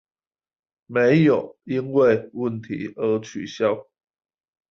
沒有因為問題而取消